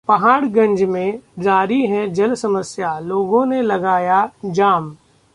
पहाड़गंज में जारी है जल समस्या, लोगों ने लगाया जाम